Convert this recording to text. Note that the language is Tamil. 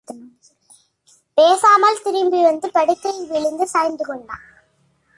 பேசாமல் திரும்பி வந்து படுக்கையில் விழுந்து சாய்ந்து கொண்டான்.